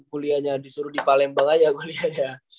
gulianya disuruh di palembang aja kulianya